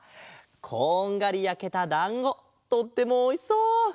こんがりやけただんごとってもおいしそう！